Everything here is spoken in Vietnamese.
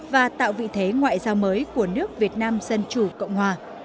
và tạo vị thế ngoại giao mới của nước việt nam dân chủ cộng hòa